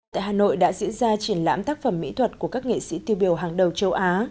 tại hà nội đã diễn ra triển lãm tác phẩm mỹ thuật của các nghệ sĩ tiêu biểu hàng đầu châu á